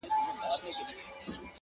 گـــډ وډ يـهـــوديـــان.